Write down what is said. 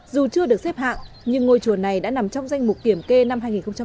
dù chưa được xếp hạng nhưng ngôi chùa này đã nằm trong danh mục kiểm kê năm hai nghìn một mươi bảy